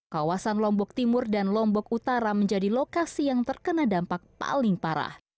kawasan lombok timur dan lombok utara menjadi lokasi yang terkena dampak paling parah